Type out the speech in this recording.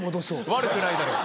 悪くないだろう。